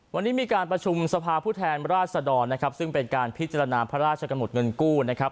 วันนี้มีการประชุมสภาผู้แทนราชดรนะครับซึ่งเป็นการพิจารณาพระราชกำหนดเงินกู้นะครับ